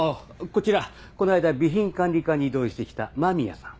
こちらこの間備品管理課に異動して来た間宮さん。